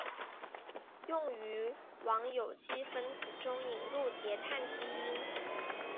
用于往有机分子中引入叠氮基团。